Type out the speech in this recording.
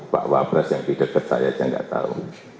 pak wapres yang tidak dekat saya saja enggak tahu